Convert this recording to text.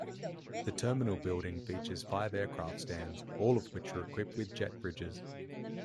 The terminal building features five aircraft stands, all of which are equipped with jet-bridges.